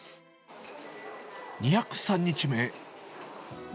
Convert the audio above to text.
２０３日目。